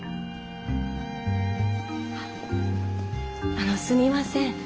あのすみません。